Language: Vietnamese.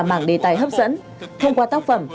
mảng đề tài hấp dẫn thông qua tác phẩm